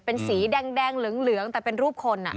เป็นสีแดงเหลืองแต่เป็นรูปคน